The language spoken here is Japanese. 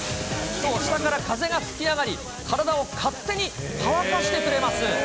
そう、下から風が吹き上がり、体を勝手に乾かしてくれます。